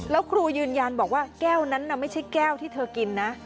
แล้วครูยืนยันบอกว่าแก้วนั้นไม่ใช่แก้วที่เธอกินนะ